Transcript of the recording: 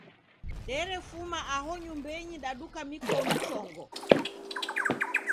Derefuma aho nyumbenyi daduka mikon chongo.